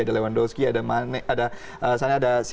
ada lewandowski ada mane ada siapa lagi